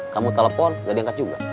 kamu telepon gak diangkat juga